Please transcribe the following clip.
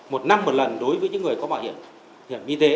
một năm một lần đối với những người có bảo hiểm y tế